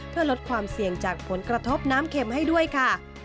เพื่อลดความเสี่ยงจากผลกระทบน้ำเข็มให้ด้วยค่ะ